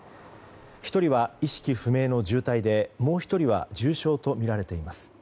１人は意識不明の重体でもう１人は重傷とみられています。